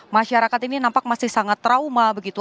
masyarakat ini nampak masih sangat trauma begitu